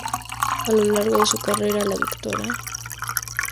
A lo largo de su carrera, la Dra.